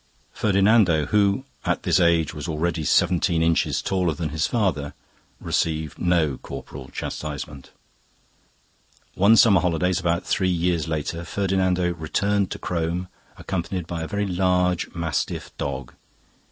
Ferdinando, who at this age was already seventeen inches taller than his father, received no corporal chastisement. "One summer holidays about three years later Ferdinando returned to Crome accompanied by a very large mastiff dog.